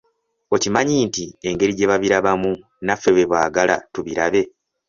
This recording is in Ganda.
Okimanyi nti engeri gye babirabamu naffe bwe baagala tubirabe?